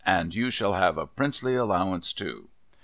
' And you shall have a Princely allowance too.'